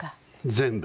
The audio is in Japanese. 全部。